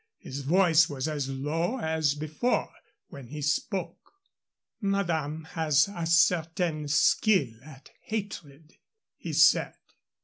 His voice was as low as before when he spoke. "Madame has a certain skill at hatred," he said.